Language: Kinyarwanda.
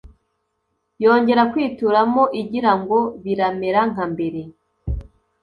yongera kwituramo igira ngo biramera nka mbere.